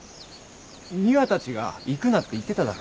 美和たちが行くなって言ってただろ。